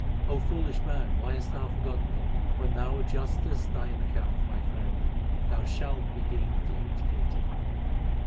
O foolish man, why hast thou forgotten Him ? When thou adjustest thine account, my friend, thou shalt be deemed educated.